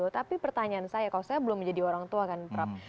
tapi pertanyaan saya kalau saya belum menjadi orang tua kan prap